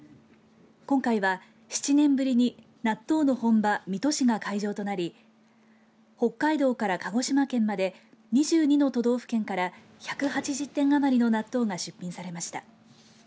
今回は７年ぶりに納豆の本場水戸市が会場となり北海道から鹿児島県まで２２の都道府県から１８０点余りの納豆が出品されました。